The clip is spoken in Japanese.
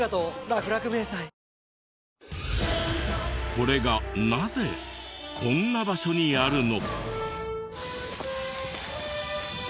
これがなぜこんな場所にあるの？